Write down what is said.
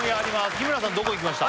日村さんどこ行きました？